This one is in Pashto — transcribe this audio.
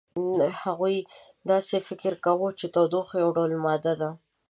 هغوی داسې فکر کاوه چې تودوخه یو ډول ماده ده.